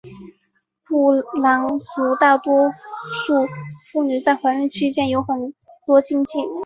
布朗族大多数妇女在怀孕期间有很多禁忌。